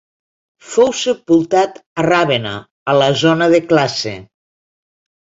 Fou sepultat a Ravenna, a la zona de Classe.